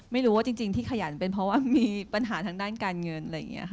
ไม่รู้ว่าจริงที่ขยันเป็นเพราะว่ามีปัญหาทางด้านการเงิน